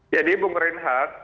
jadi ibu merinhar